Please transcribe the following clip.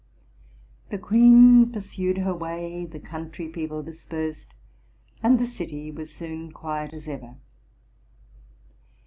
The queen pursued her way: the country people dispersed, and the city was soon quiet as ever.